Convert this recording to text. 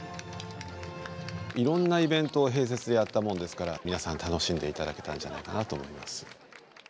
いろんなイベントを併設でやったもんですから皆さん楽しんでいただけたんじゃないかなと思います。